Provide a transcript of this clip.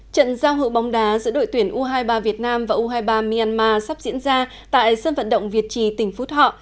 trận giao hữu bóng đá giữa đội tuyển u hai mươi ba việt nam và u hai mươi ba myanmar sắp diễn ra tại sân vận động việt trì tỉnh phú thọ